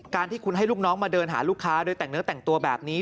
ที่คุณให้ลูกน้องมาเดินหาลูกค้าโดยแต่งเนื้อแต่งตัวแบบนี้